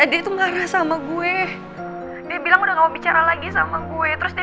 dia tuh marah sama gue dia bilang udah kamu bicara lagi sama gue terus dia